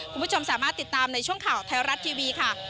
คุณผู้ชมสามารถติดตามในช่วงข่าวไทยรัฐทีวีค่ะ